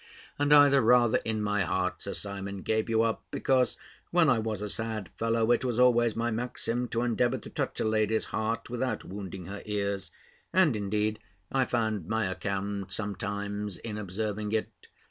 And I the rather in my heart, Sir Simon, gave you up, because, when I was a sad fellow, it was always my maxim to endeavour to touch a lady's heart without wounding her ears. And, indeed, I found my account sometimes in observing it.